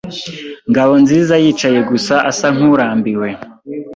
Ngabonzizayicaye gusa asa nkurambiwe.